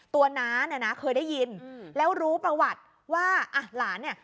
น้าเนี่ยนะเคยได้ยินแล้วรู้ประวัติว่าอ่ะหลานเนี่ย